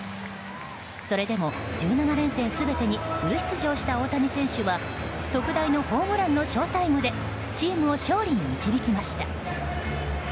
それでも、１７連戦全てにフル出場した大谷選手は特大のホームランのショウタイムでチームを勝利に導きました。